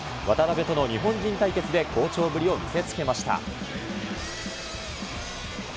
渡邊との日本人対決で、好調ぶりを見せつけました。